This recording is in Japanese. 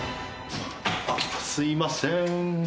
あっすいません。